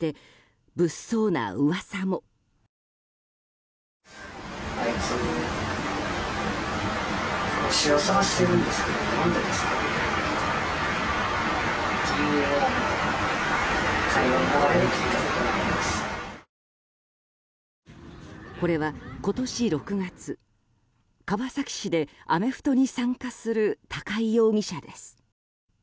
これは今年６月、川崎市でアメフトに参加する高井容疑者です。